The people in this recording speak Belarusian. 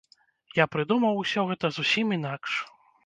Я прыдумаў усё гэта зусім інакш.